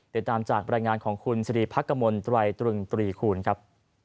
ติดตามจากบรรยายงานของคุณสิริพักกมลตรายตรึงตรีคูณครับ